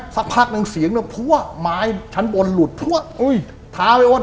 สักพักหนึ่งเสียงนี่ปุ๊ะไม้ชั้นบนปุ๊ะถาวนอ่ะ